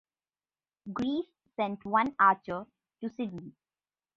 Greece sent one archer to Sydney.